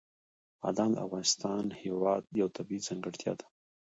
بادام د افغانستان هېواد یوه طبیعي ځانګړتیا ده.